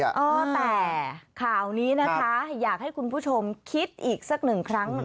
เออแต่ข่าวนี้นะคะอยากให้คุณผู้ชมคิดอีกสักหนึ่งครั้ง